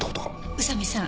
宇佐見さん